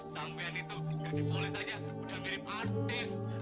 sampai ini tuh jadi polis aja udah mirip artis